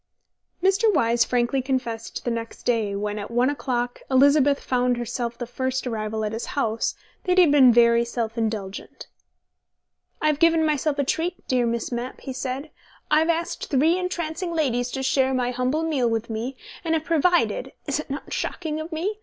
Mr. Wyse frankly confessed the next day when, at one o'clock, Elizabeth found herself the first arrival at his house, that he had been very self indulgent. "I have given myself a treat, dear Miss Mapp," he said. "I have asked three entrancing ladies to share my humble meal with me, and have provided is it not shocking of me?